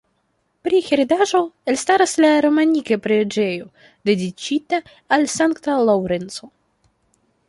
Pri heredaĵo, elstaras la romanika preĝejo, dediĉita al Sankta Laŭrenco.